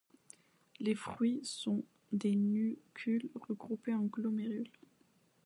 Les fruits sont des nucules regroupés en glomérules.